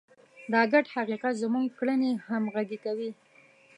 دا ګډ حقیقت زموږ کړنې همغږې کوي.